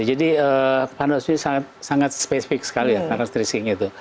jadi panas bumi sangat spesifik sekali ya karena stresingnya itu